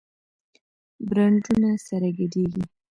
برانډونه سره ګډېږي.